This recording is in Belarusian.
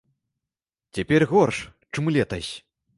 Цяпер горш, чым летась.